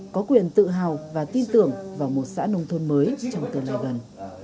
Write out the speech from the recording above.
có quyền tự hào và tin tưởng vào một xã nông thôn mới trong tương lai gần